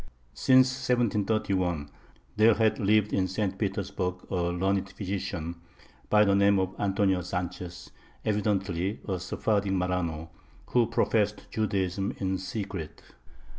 Since 1731 there had lived in St. Petersburg a learned physician, by the name of Antonio Sanchez, evidently a Sephardic Marano, who professed Judaism in secret.